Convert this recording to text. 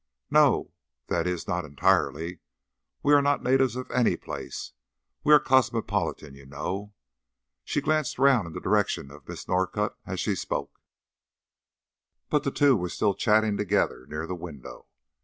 "No that is, not entirely. We are not natives of any place. We are cosmopolitan, you know." She glanced round in the direction of Miss Northcott as she spoke, but the two were still chatting together near the window.